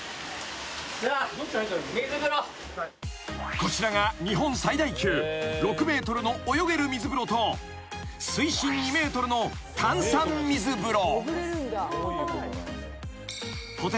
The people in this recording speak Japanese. ［こちらが日本最大級６ｍの泳げる水風呂と水深２ｍの炭酸水風呂］